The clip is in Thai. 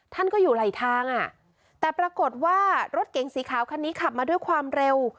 ท่านก็อยู่ไหลทางอ่ะแต่ปรากฏว่ารถเก๋งสีขาวคันนี้ขับมาด้วยความเร็ว